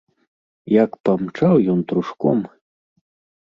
Як памчаў ён трушком!